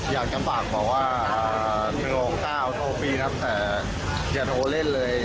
อยากจะฝากบอกว่า๑๖๙โทรฟี่ครับแต่อย่าโทรเล่นเลย